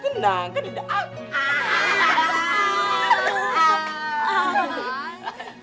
kenang kan tidak aku